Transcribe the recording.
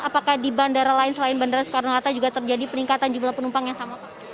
apakah di bandara lain selain bandara soekarno hatta juga terjadi peningkatan jumlah penumpang yang sama pak